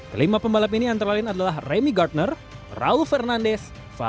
kelima pembalap ini antara lain adalah remy gartner raul fernandes